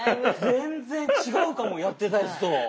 全然違うかもやってたやつと。